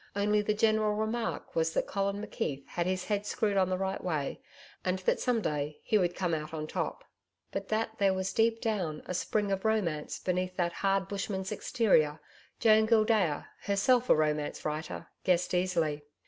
Only the general remark was that Colin McKeith had his head screwed on the right way and that some day he would come out on top. But that there was deep down a spring of romance beneath that hard Bushman's exterior, Joan Gildea, herself a romance writer, guessed easily.